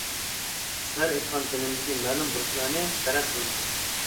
سىلەر ئېيتقان تېنىمدىكى مەلۇم بۇرچلارنى پەرەز قىلىمەن.